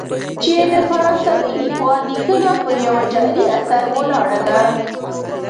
چې د فرانسوي لیکوال لیکنه پر یوه جعلي اثر ولاړه ده.